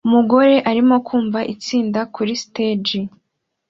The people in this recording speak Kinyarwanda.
Umugore arimo kumva itsinda kuri stage